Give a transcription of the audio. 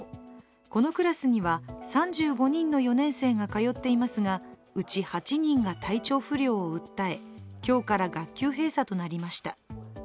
このクラスには、３５人の４年生が通っていますがうち８人が体調不良を訴え今日から学級閉鎖となりました。